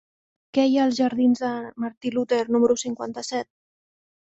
Què hi ha als jardins de Martí Luter número cinquanta-set?